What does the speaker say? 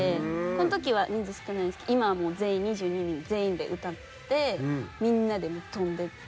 この時は人数少ないんですけど今はもう全員２２人全員で歌ってみんなで跳んで。